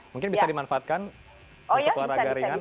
mungkin bisa dimanfaatkan untuk olahraga ringan